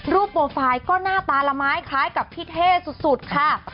โปรไฟล์ก็หน้าตาละไม้คล้ายกับพี่เท่สุดค่ะ